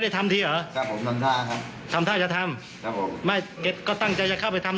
ครับยังไม่ได้ทำงานกีฟครับ